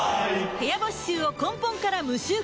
部屋干し臭を根本から無臭化